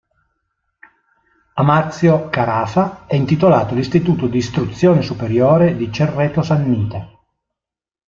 A Marzio Carafa è intitolato l'Istituto di Istruzione Superiore di Cerreto Sannita.